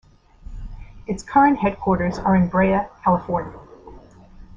Its current headquarters are in Brea, California.